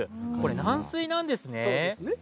軟水なんですね。